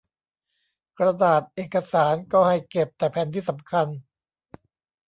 กระดาษเอกสารก็ให้เก็บแต่แผ่นที่สำคัญ